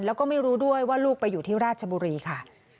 แล้วก็ไม่รู้ด้วยว่าลูกไปอยู่ที่ราชบุรีค่ะ